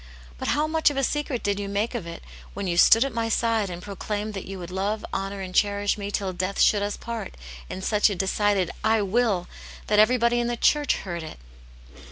But how much of a secret did you make of it when you stood at my side and proclaimed that you would love, honour, and cherish me till death should us part, in such a decided 'I will!' that every body in the church heard it